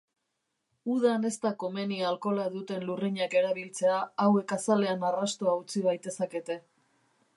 Udan ez da komeni alkohola duten lurrinak erabiltzea hauek azalean arrastoa utzi baitezakete.